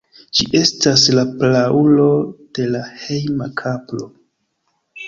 Ĝi estas la praulo de la hejma kapro.